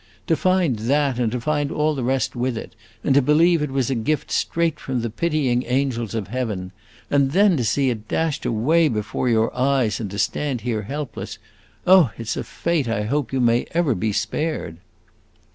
To find that and to find all the rest with it, and to believe it was a gift straight from the pitying angels of heaven, and then to see it dashed away before your eyes and to stand here helpless oh, it 's a fate I hope you may ever be spared!"